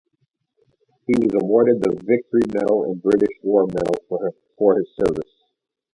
He was awarded the Victory Medal and British War Medal for his service.